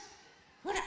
ほら。